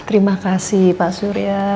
terima kasih pak surya